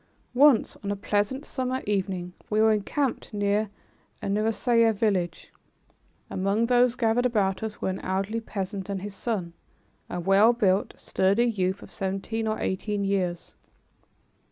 Once, on a pleasant summer evening, we were encamped near a Nusairiyeh village. Among those gathered about us were an elderly peasant and his son, a well built, sturdy youth of seventeen or eighteen years.